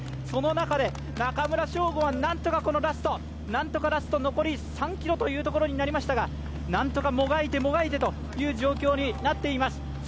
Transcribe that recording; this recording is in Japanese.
その中で中村匠吾は何とかラスト、残り３ｋｍというところになりましたがもがいてもがいてという状況になっています。